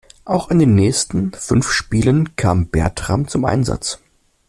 Auch in den nächsten fünf Spielen kam Bertram zum Einsatz.